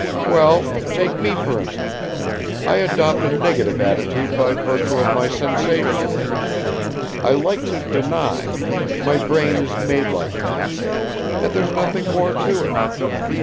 "Well, take me for instance; I adopt a negative attitude by virtue of my sensations; I like to deny, my brain is made like that and there's nothing more to it.